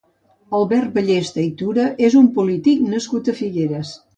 Albert Ballesta i Tura és un polític nascut a Figueres.